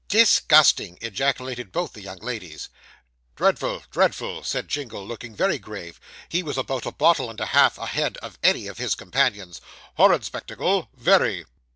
'Dis gusting!' ejaculated both the young ladies. 'Dreadful dreadful!' said Jingle, looking very grave: he was about a bottle and a half ahead of any of his companions. 'Horrid spectacle very!